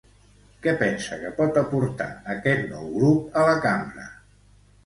Què pensa que pot aportar aquest nou grup a la Cambra?